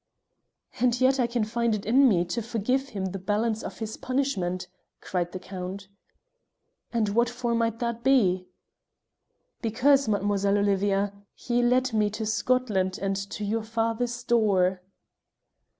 "And yet I can find it in me to forgive him the balance of his punishment," cried the Count. "And what for might that be?" said she. "Because, Mademoiselle Olivia, he led me to Scotland and to your father's door."